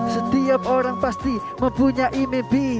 setiap orang pasti mempunyai ini